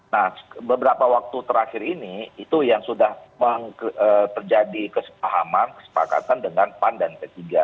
nah beberapa waktu terakhir ini itu yang sudah terjadi kesepahaman kesepakatan dengan pan dan p tiga